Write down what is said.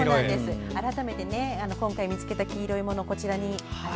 改めて今回見つけた黄色いものをこちらに。